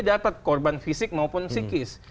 ya dia dapat korban fisik maupun psikis